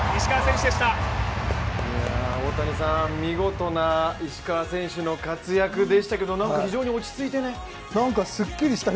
見事な石川選手の活躍でしたけどなにか非常に落ち着いていて。